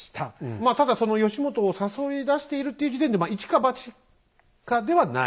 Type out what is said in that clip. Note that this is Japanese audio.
まあただその義元を誘い出しているっていう時点でまあ一か八かではない。